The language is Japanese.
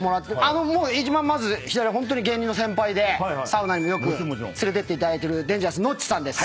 もう一番左はホントに芸人の先輩でサウナにもよく連れてっていただいてるデンジャラスノッチさんです。